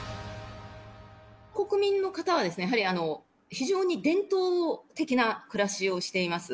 国民の方はやはり非常に伝統的な暮らしをしています。